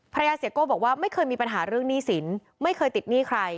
เสียโก้บอกว่าไม่เคยมีปัญหาเรื่องหนี้สินไม่เคยติดหนี้ใคร